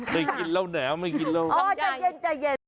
ได้กินแล้วแหน่มไม่กินแล้ว